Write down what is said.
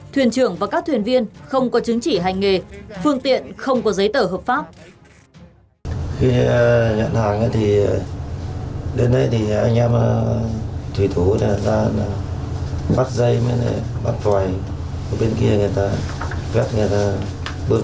thuyền trưởng và các thuyền viên không có chứng chỉ hành nghề phương tiện không có giấy tờ hợp pháp